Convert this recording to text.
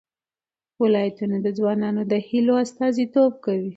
ولایتونه د ځوانانو د هیلو استازیتوب کوي.